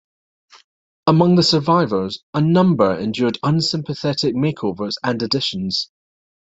Among the survivors, a number endured unsympathetic make-overs and additions.